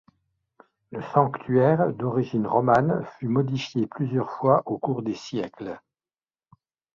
Le Sanctuaire d’origine romane, fut modifié plusieurs fois au cours des siècles.